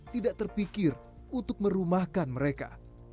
tidak terpikir untuk merumahkan mereka